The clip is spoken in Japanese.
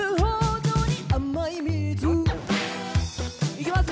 いきます